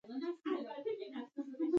ایا ستاسو دښمنان کم نه دي؟